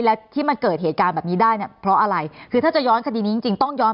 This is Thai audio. แล้วที่มันเกิดเหตุการณ์แบบนี้ได้เนี่ยเพราะอะไรคือถ้าจะย้อนคดีนี้จริงจริงต้องย้อน